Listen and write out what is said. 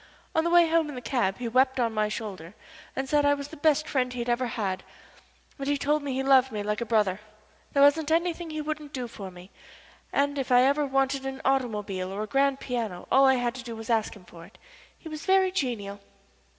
"On the way home in the cab he wept on my shoulder and said I was the best friend he ever had, and told me he loved me like a brother. There wasn't anything he wouldn't do for me, and if ever I wanted an automobile or a grand piano all I had to do was to ask him for it. He was very genial."